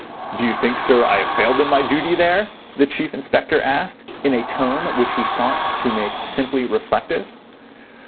"Do you think, sir, I have failed in my duty there?" the Chief Inspector asked, in a tone which he sought to make simply reflective.